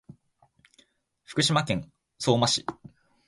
福島県相馬市